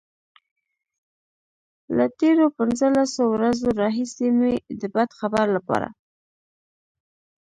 له تېرو پنځلسو ورځو راهيسې مې د بد خبر لپاره.